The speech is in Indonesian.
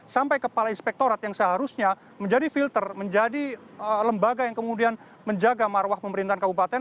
sampai kepala inspektorat yang seharusnya menjadi filter menjadi lembaga yang kemudian menjaga marwah pemerintahan kabupaten